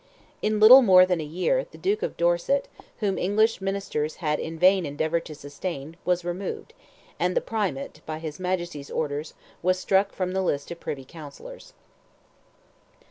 In little more than a year, the Duke of Dorset, whom English ministers had in vain endeavoured to sustain, was removed, and the Primate, by his Majesty's orders, was struck from the list of privy counsellors.